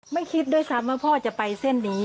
ไม่คิดด้วยสามว่าพ่อจะไปเส้นอย่างนี้